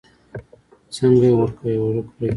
څنګه يې وړکيه؛ ورک ورک يې؟